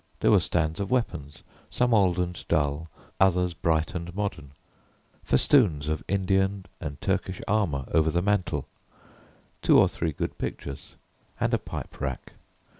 There were stands of weapons, some old and dull, others bright and modern, festoons of Indian and Turkish armour over the mantel, two or three good pictures, and a pipe rack.